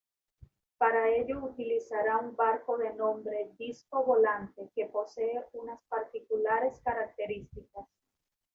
Para ello utilizará un barco de nombre "Disco Volante" que posee unas particulares características.